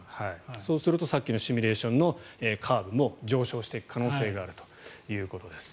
そうするとさっきのシミュレーションのカーブも上昇していく可能性があるということです。